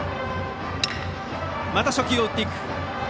また初球を打っていく。